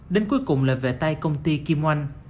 đến cuối cùng là về tay công ty kim oanh